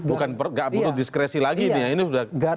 bukan nggak butuh diskresi lagi nih